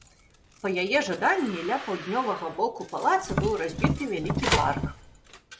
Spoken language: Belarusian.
Па яе жаданні, ля паўднёвага боку палаца быў разбіты вялікі парк.